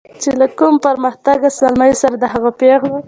چې له کم پرمختګه زلمیو سره د هغو پیغلو